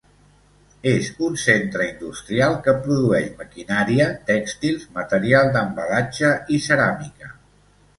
És un centre industrial que produeix maquinària, tèxtils, material d'embalatge i ceràmica.